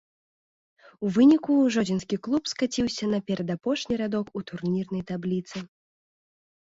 У выніку жодзінскі клуб скаціўся на перадапошні радок у турнірнай табліцы.